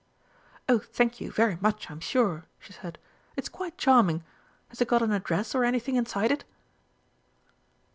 "Oh, thank you very much, I'm sure," she said. "It's quite charming. Has it got an address or anything inside it?"